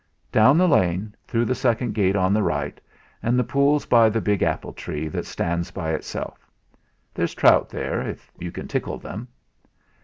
"Down the lane, through the second gate on the right, an' the pool's by the big apple tree that stands by itself. There's trout there, if you can tickle them."